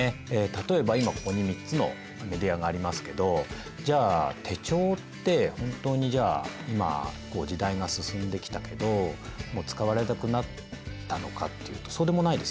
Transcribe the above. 例えば今ここに３つのメディアがありますけどじゃあ手帳って本当にじゃあ今時代が進んできたけどもう使われなくなったのかっていうとそうでもないですよね。